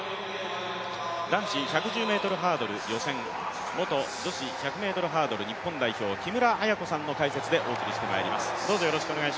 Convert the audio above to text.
男子１１０ｍハードル予選、元女子１００ｍハードル日本代表、木村文子さんの解説でお送りしてまいります。